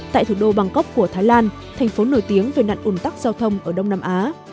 tại thủ đô bangkok của thái lan thành phố nổi tiếng về nạn ủn tắc giao thông ở đông nam á